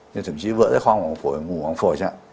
thì thậm chí vỡ ra khoang hoàng phổi ngủ hoàng phổi chẳng